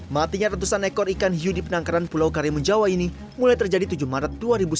matinya ratusan ekor ikan hiu di penangkaran pulau karimun jawa ini mulai terjadi tujuh maret dua ribu sembilan belas